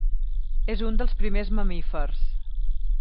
És un dels primers mamífers.